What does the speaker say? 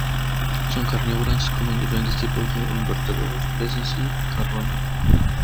Son carnívoras, comen diferentes tipos de invertebrados, peces y carroña.